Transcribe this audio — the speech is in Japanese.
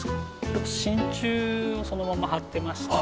真鍮をそのまま張ってまして。